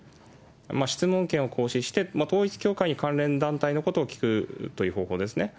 質問権を行使して、統一教会に関連団体のことを聞くという方向ですね。